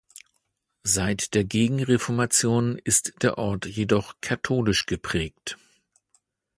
Seit der Gegenreformation ist der Ort jedoch katholisch geprägt.